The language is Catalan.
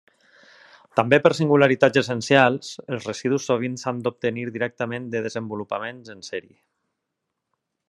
També per singularitats essencials, els residus sovint s'han d'obtenir directament de desenvolupaments en sèrie.